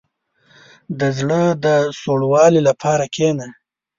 • د زړه د سوړوالي لپاره کښېنه.